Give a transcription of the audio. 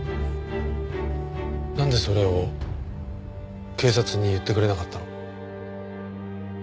なんでそれを警察に言ってくれなかったの？